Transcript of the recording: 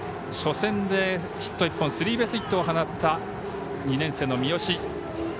初戦でヒット１本スリーベースヒットを放った２年生の三好。